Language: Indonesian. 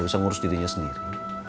bisa ngurus dirinya sendiri